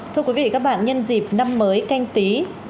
thưa quý vị các bạn nhân dịp năm mới canh tí